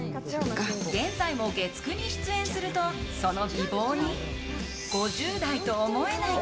現在も月９に出演するとその美貌に５０代とは思えない！